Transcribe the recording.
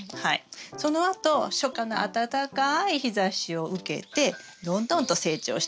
そのあと初夏の暖かい日ざしを受けてどんどんと成長していきます。